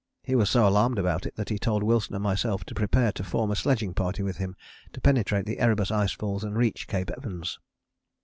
He was so alarmed about it that he told Wilson and myself to prepare to form a sledging party with him to penetrate the Erebus icefalls and reach Cape Evans.